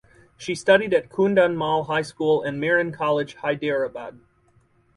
She studied at Kundan Mal High School and Miran College Hyderabad.